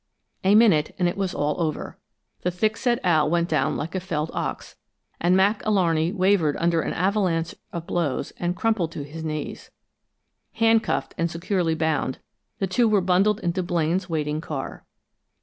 A minute, and it was all over. The thick set Al went down like a felled ox, and Mac Alarney wavered under an avalanche of blows and crumpled to his knees. Handcuffed and securely bound, the two were bundled into Blaine's waiting car.